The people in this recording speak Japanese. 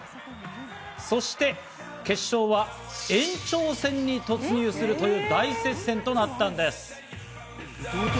そして決勝は延長戦に突入するという大接戦となったんです。